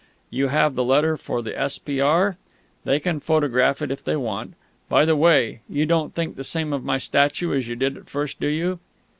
You have the letter for the S.P.R.? They can photograph it if they want.... By the way, you don't think the same of my statue as you did at first, do you?"